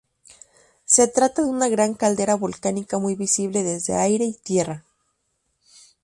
Se trata de una gran caldera volcánica muy visible desde aire y tierra.